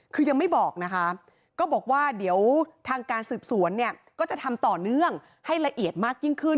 คือยังไม่บอกนะคะก็บอกว่าเดี๋ยวทางการสืบสวนเนี่ยก็จะทำต่อเนื่องให้ละเอียดมากยิ่งขึ้น